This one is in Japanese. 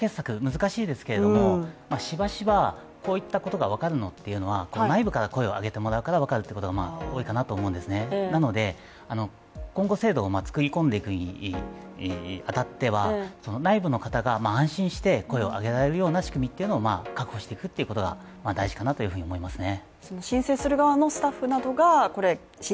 難しいですけれどもしばしば、こういったことがわかるのっていうのは、内部から声を上げてもらうからわかるってことが多いかなと思うんですねなので、今後制度を作り込んでいくに当たってはその内部の方が安心して声を上げられるような仕組みっていうのを確保していくっていうことが大事かなというふうに思いますね。